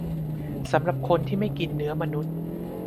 สำหรับคนที่ไม่กินเนื้อมนุษย์